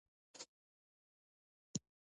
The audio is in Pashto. د خپل کلتور ښکلا یې راښودله.